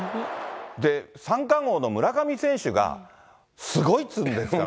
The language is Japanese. で、三冠王の村上選手が、すごいって言うんですからね。